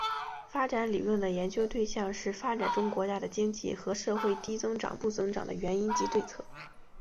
发展理论的研究对象是发展中国家的经济和社会低增长不增长的原因及对策。